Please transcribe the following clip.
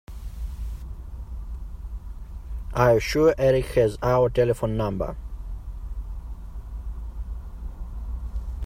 Are you sure Erik has our telephone number?